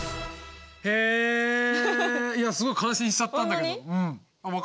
いやすごい感心しちゃったんだけど。